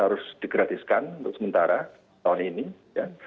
harus digratiskan untuk sementara tahun ini ya